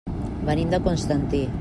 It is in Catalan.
Venim de Constantí.